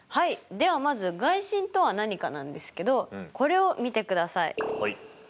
ではまず外心とは何かなんですけどこれを見てください！